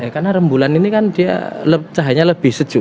karena rembulan ini kan dia cahayanya lebih sejuk